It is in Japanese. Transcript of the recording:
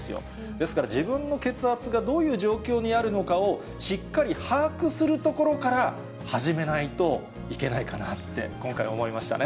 ですから自分の血圧がどういう状況にあるのかをしっかり把握するところから始めないといけないかなって、今回思いましたね。